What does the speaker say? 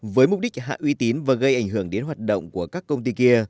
với mục đích hạ uy tín và gây ảnh hưởng đến hoạt động của các công ty kia